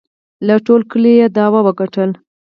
له ټول کلي یې دعوه وگټله